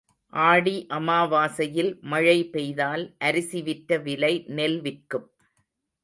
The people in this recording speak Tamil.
ஆடி அமாவாசையில் மழை பெய்தால் அரிசி விற்ற விலை நெல் விற்கும்.